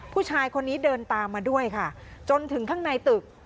ผู้ชายคนนี้เดินตามมาด้วยค่ะจนถึงข้างในตึก